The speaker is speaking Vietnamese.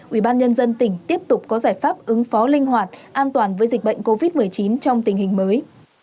ủy ban nhân dân tỉnh tiếp tục có giải pháp ứng phó linh hoạt an toàn với dịch bệnh covid một mươi chín trong tình hình mới